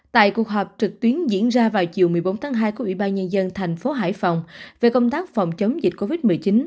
tại cuộc họp trực tuyến diễn ra vào chiều một mươi bốn tháng hai của ủy ban nhân dân thành phố hải phòng về công tác phòng chống dịch covid một mươi chín